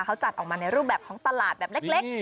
เขาจัดออกมาในรูปแบบของตลาดแบบเล็ก